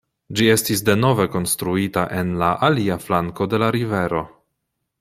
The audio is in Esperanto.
Ĝi estis denove konstruita en la alia flanko de la rivero.